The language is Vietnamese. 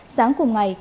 sáng cùng ngày